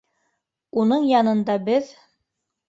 Уның янында беҙ